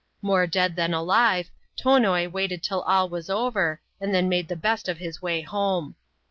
More dead than alive, Tonoi waited till all was over, and then made the best of his way home.